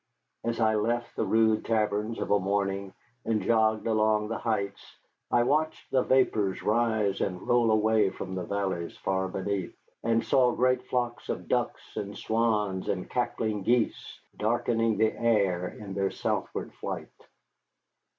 As I left the rude taverns of a morning and jogged along the heights, I watched the vapors rise and roll away from the valleys far beneath, and saw great flocks of ducks and swans and cackling geese darkening the air in their southward flight.